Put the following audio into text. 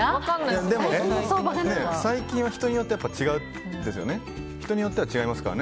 細菌は人によって違うんですよね。